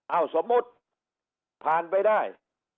เอ้าสมมุติผ่านไปได้